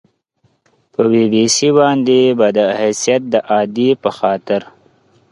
په بي بي سي باندې به د حیثیت د اعادې په خاطر